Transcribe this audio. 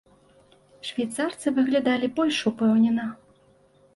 Швейцарцы выглядалі больш упэўнена.